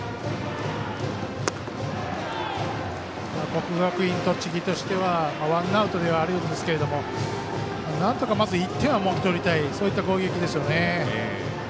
国学院栃木としてはワンアウトではあるんですけどなんとかまず１点はもぎ取りたいそういった攻撃でしょうね。